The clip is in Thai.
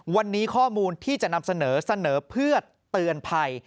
วันนี้ข้อมูลที่จะนำเสนอเสนอเพื่อเตือนภัย